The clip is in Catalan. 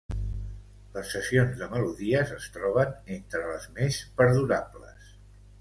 Les sessions de melodies es troben entre les més perdurables.